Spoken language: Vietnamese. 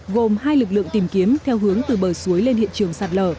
gồm hai lực lượng tìm kiếm theo hướng từ bờ suối lên hiện trường sạt lở